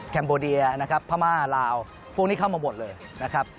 แคมโบเดียพม่าลาวพวกนี้เข้ามาหมดเลยนะครับ